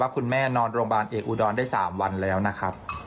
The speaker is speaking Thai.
คุณแม่นอนโรงพยาบาลเอกอุดรได้๓วันแล้วนะครับ